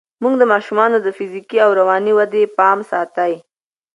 مور د ماشومانو د فزیکي او رواني ودې پام ساتي.